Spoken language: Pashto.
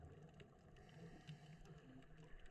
موږ هم په چکچکو بدرګه کړ.